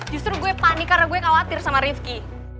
justru gue panik karena gue khawatir sama rifki